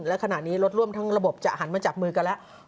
และขณะนี้รถร่วมทั้งระบบจะหันมาจับมือกันแล้ว